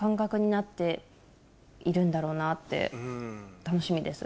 って楽しみです。